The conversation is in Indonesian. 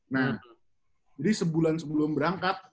nah jadi sebulan sebelum berangkat